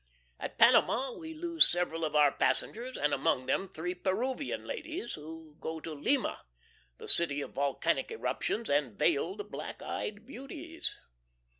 .... At Panama we lose several of our passengers, and among them three Peruvian ladies, who go to Lima, the city of volcanic eruptions and veiled black eyed beauties.